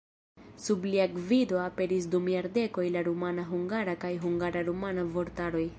Sub lia gvido aperis dum jardekoj la rumana-hungara kaj hungara-rumana vortaroj.